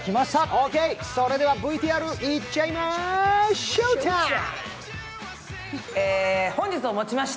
オーケー、それではＶＴＲいっちゃいまＳＨＯＷＴＩＭＥ！